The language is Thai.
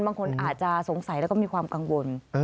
บางคนอาจจะสงสัยแล้วก็มีความกังวล